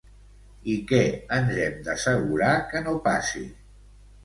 I què ens hem d'assegurar que no passi?